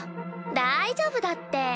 大丈夫だって。